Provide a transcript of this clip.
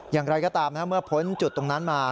อย่างไรก็ตามเมื่อพ้นจุดตรงนั้นมา